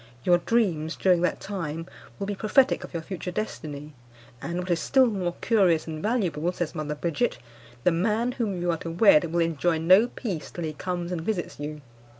Your dreams during that time will be prophetic of your future destiny, and, what is still more curious and valuable, says Mother Bridget, the man whom you are to wed will enjoy no peace till he comes and visits you.